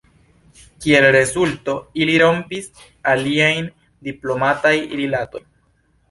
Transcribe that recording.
Kiel rezulto, ili rompis iliajn diplomatiaj rilatoj.